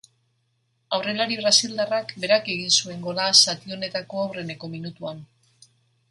Aurrelari brasildarrak berak egin zuen gola zati honetako aurreneko minutuan.